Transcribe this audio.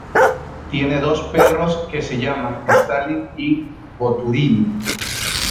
Tiene dos perros que se llaman Stalin y Boturini.